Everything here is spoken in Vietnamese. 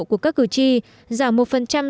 của các cử tri giảm một